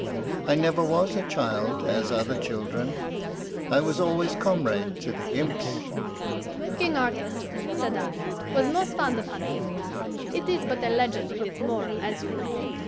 I never was a child as other children. I was always comrade to the imps." "King Artus," said I, "was most fond of hunting." (It is but a legend with its moral, as you know.)